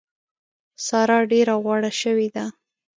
سارا ډېره غوړه شوې ده.